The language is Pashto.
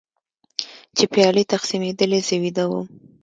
چې پیالې تقسیمېدلې زه ویده وم.